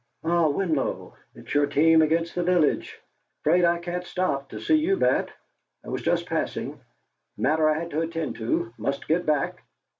"Ah, Winlow, it's your team against the village. Afraid I can't stop to see you bat. I was just passing matter I had to attend to must get back!"